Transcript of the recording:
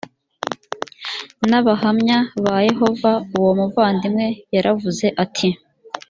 n abahamya ba yehova uwo muvandimwe yaravuze ati